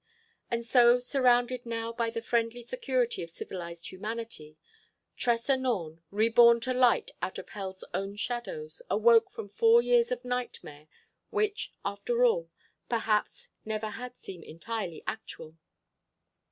And so, surrounded now by the friendly security of civilised humanity, Tressa Norne, reborn to light out of hell's own shadows, awoke from four years of nightmare which, after all, perhaps, never had seemed entirely actual.